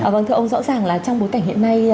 vâng thưa ông rõ ràng là trong bối cảnh hiện nay